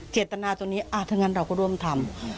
เจตนาตัวนี้ถ้างั้นเราก็ร่วมทำ